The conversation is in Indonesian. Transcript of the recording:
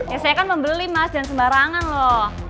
ya saya kan membeli mas dan sembarangan loh